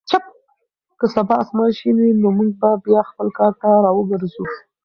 که سبا اسمان شین وي نو موږ به بیا خپل کار ته راوګرځو.